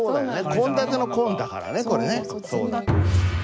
献立の「献」だからねこれね。